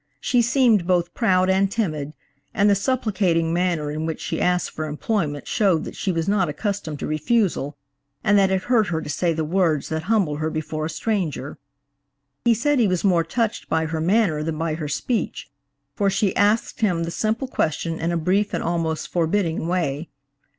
She seemed both proud and timid, and the supplicating manner in which she asked for employment showed that she was not accustomed to refusal, and that it hurt her to say the words that humbled her before a stranger. He said he was more touched by her manner than by her speech, for she asked him the simple question in a brief and almost forbidding way.